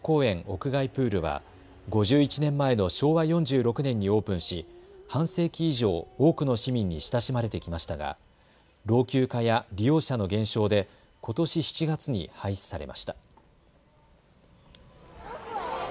屋外プールは５１年前の昭和４６年にオープンし半世紀以上、多くの市民に親しまれてきましたが老朽化や利用者の減少でことし７月に廃止されました。